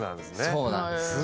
そうなんです。